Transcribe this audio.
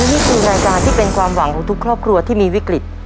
นี่คือรายการที่เป็นความหวังของทุกครอบครัวที่มีวิกฤต